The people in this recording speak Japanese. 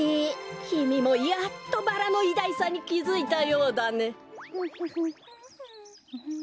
きみもやっとバラのいだいさにきづいたようだね。